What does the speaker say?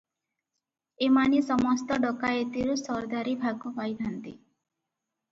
ଏମାନେ ସମସ୍ତ ଡକାଏତିରୁ ସର୍ଦ୍ଦାରି ଭାଗ ପାଇଥାନ୍ତି ।